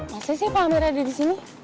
masih sih pak hamir ada disini